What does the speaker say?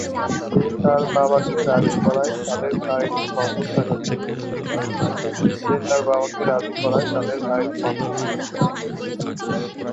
সে তার বাবাকে রাজি করায় তাদের বাড়িটি বন্ধক রাখার জন্য।